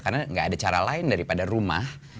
karena gak ada cara lain daripada rumah